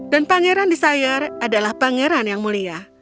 dan pangeran desire adalah pangeran yang mulia